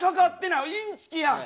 インチキやん結局。